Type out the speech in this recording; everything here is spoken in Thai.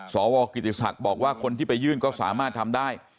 สวกิติศักดิ์บอกว่าคนที่ไปยื่นก็สามารถทำได้